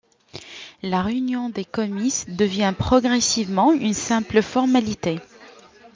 La réunion des comices devint progressivement une simple formalité.